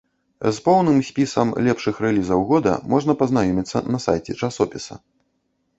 З поўным спісам лепшых рэлізаў года можна пазнаёміцца на сайце часопіса.